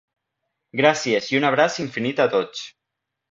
Gràcies i un abraç infinit a tots!